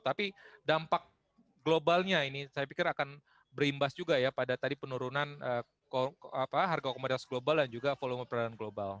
tapi dampak globalnya ini saya pikir akan berimbas juga ya pada tadi penurunan harga komoditas global dan juga volume peranan global